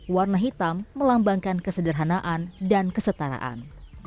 warna hitam melambangkan kesederhanaan dan kesetaraan